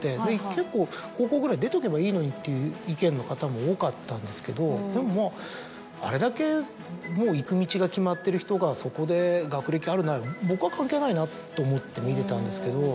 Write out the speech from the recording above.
結構「高校ぐらい出とけばいいのに」。っていう意見の方も多かったんですけどでもまぁあれだけもう行く道が決まってる人がそこで学歴あるないは僕は関係ないなと思って見てたんですけど。